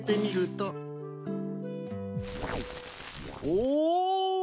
お！